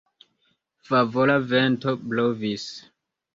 Favora vento blovis.